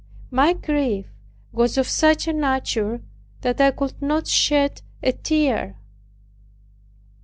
My grief was of such a nature that I could not shed a tear.